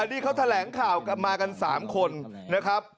อันนี้เขาแถลงข่าวมากัน๓คนนะครับ